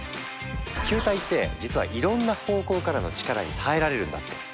球体って実はいろんな方向からの力に耐えられるんだって。